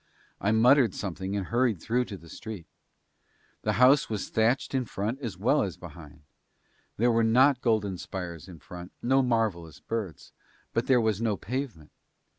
I muttered something and hurried through to the street. The house was thatched in front as well as behind. There were not golden spires in front, no marvellous birds; but there was no pavement.